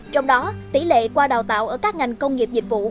trong đó tỷ lệ qua đào tạo ở các ngành công nghiệp dịch vụ